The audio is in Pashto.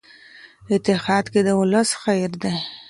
اتحاد کې د ولس خیر دی.